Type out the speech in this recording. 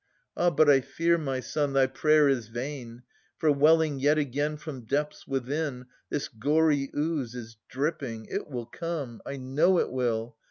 Ah ! but I fear, my son, thy prayer is vain : For welling yet again from depths within. This gory ooze is dripping. It will come ! I know it will.